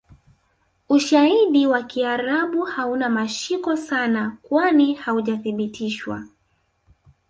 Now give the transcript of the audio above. Ushaidi wa kiarabu hauna mashiko sana kwani Haujasibitishwa